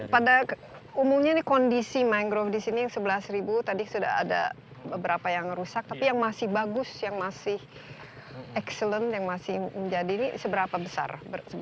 pada umumnya ini kondisi mangrove di sini yang sebelas ribu tadi sudah ada beberapa yang rusak tapi yang masih bagus yang masih excellent yang masih menjadi ini seberapa besar